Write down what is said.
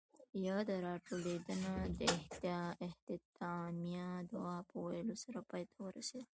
ياده راټولېدنه د اختتامیه دعاء پۀ ويلو سره پای ته ورسېده.